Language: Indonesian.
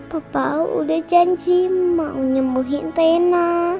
papa udah janji mau nyembuhin tena